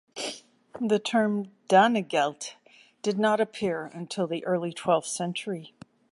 The term "Danegeld" did not appear until the early twelfth century.